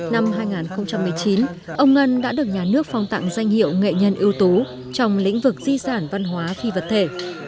năm hai nghìn một mươi chín ông ngân đã được nhà nước phong tặng danh hiệu nghệ nhân ưu tú trong lĩnh vực di sản văn hóa phi vật thể